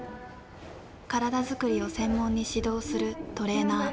体作りを専門に指導するトレーナー。